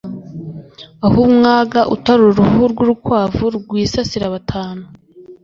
Aho umwaga utari uruhu rw'urukwavu rwisasira batanu.